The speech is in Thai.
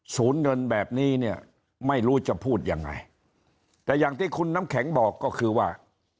ศูนย์เงินแบบนี้เนี่ยไม่รู้จะพูดยังไงแต่อย่างที่คุณน้ำแข็งบอกก็คือว่า